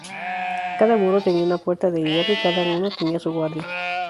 Cada muro tenía una puerta de hierro, y cada uno tenía su guardia.